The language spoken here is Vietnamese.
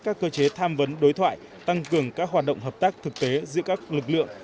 các cơ chế tham vấn đối thoại tăng cường các hoạt động hợp tác thực tế giữa các lực lượng